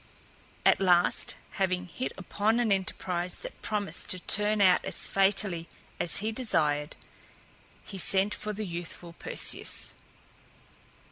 At last, having hit upon an enterprise that promised to turn out as fatally as he desired, he sent for the youthful Perseus.